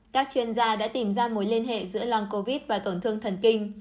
các chuyên gia đã tìm ra mối liên hệ giữa lăng covid và tổn thương thần kinh